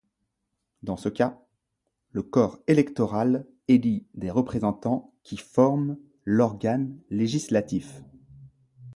Dans ce cas, le corps électoral élit des représentants qui forment l'organe législatif.